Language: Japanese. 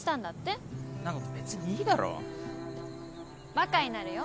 バカになるよ